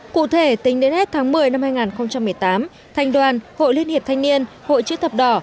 cụ thể tính đến hết tháng một mươi năm hai nghìn một mươi tám thành đoàn hội liên hiệp thanh niên hội chữ thập đỏ